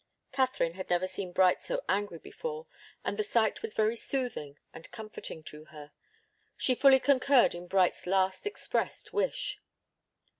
Katharine had never seen Bright so angry before, and the sight was very soothing and comforting to her. She fully concurred in Bright's last expressed wish.